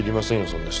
そんな人。